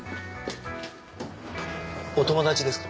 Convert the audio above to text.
お友達ですか？